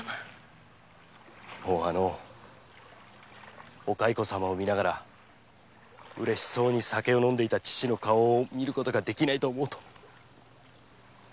もうあのおカイコ様を見ながらうれしそうに酒を飲んでいた父の顔を見ることができないと思うと無念です